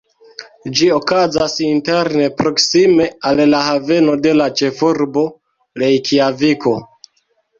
Ĝi okazas interne proksime al la haveno de la ĉefurbo, Rejkjaviko.